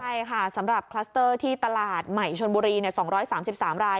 ใช่ค่ะสำหรับคลัสเตอร์ที่ตลาดใหม่ชนบุรี๒๓๓ราย